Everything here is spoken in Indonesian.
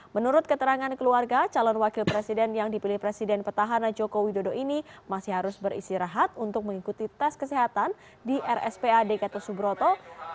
menurut keterangan keluarga calon wakil presiden yang dipilih presiden petahana joko widodo ini masih harus beristirahat untuk mengikuti tes kesehatan di rspad gatot subroto